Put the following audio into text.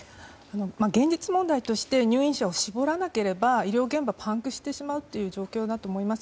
現実問題として入院者を絞らなければ医療現場はパンクしてしまうという状況だと思います。